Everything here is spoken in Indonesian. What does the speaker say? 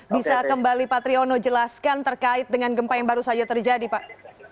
bisa kembali pak triono jelaskan terkait dengan gempa yang baru saja terjadi pak